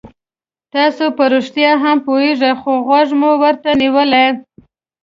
تاسو په رښتیا هم پوهېږئ خو غوږ مو ورته نیولی.